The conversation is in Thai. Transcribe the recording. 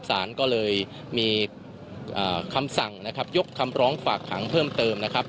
สารก็เลยมีคำสั่งนะครับยกคำร้องฝากขังเพิ่มเติมนะครับ